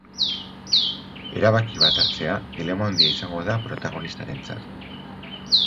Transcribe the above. Erabaki bat hartzea dilema handia izango da protagonistarentzat.